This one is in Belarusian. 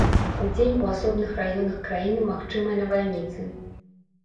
Удзень у асобных раёнах краіны магчымыя навальніцы.